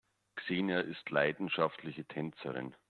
Xenia ist leidenschaftliche Tänzerin.